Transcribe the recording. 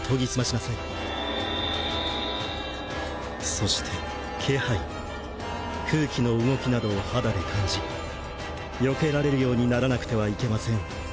そして気配空気の動きなどを肌で感じよけられるようにならなくてはいけません